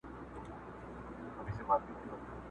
ته په څه منډي وهې موړ يې له ځانه!!